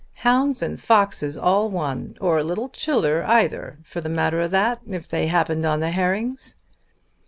Hounds and foxes all one! or little childer either for the matter o' that, if they happened on the herrings!"